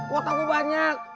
kota lu banyak